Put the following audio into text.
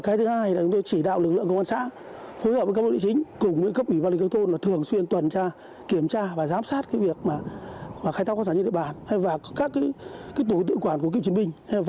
cái thứ hai là chúng tôi chỉ đạo lực lượng công an xã phối hợp với các bộ địa chính